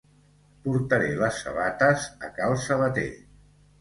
Portaré les sabates a cal sabater